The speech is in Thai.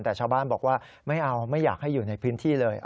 แต่ชาวบ้านบอกว่าไม่เอาไม่อยากให้อยู่ในพื้นที่เลย